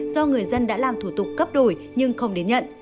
do người dân đã làm thủ tục cấp đổi nhưng không đến nhận